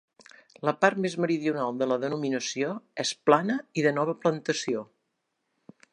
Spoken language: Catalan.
La part més meridional de la denominació és plana i de nova plantació.